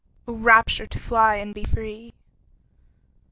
O rapture, to fly And be free!